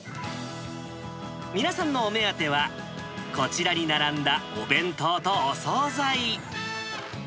皆さんのお目当ては、こちらに並んだお弁当とお総菜。